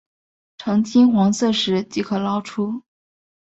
呈金黄色时即可捞出。